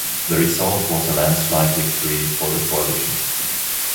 The result was a landslide victory for the coalition.